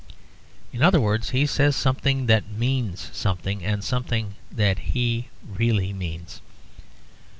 In other words, he says something that means something, and something that he really means.